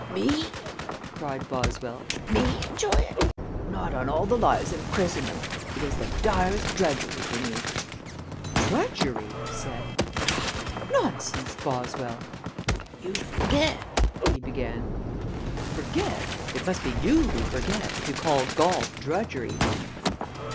"Me?" cried Boswell. "Me enjoy it? Not on all the lives in Christendom. It is the direst drudgery for me." "Drudgery?" I said. "Bah! Nonsense, Boswell!" "You forget " he began. "Forget? It must be you who forget, if you call golf drudgery."